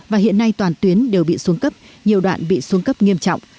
và hiện nay toàn tuyến đều bị xuống cấp nhiều đoạn bị xuống cấp nghiêm trọng